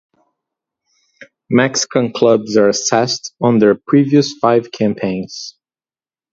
Mexican clubs are assessed on their previous five campaigns.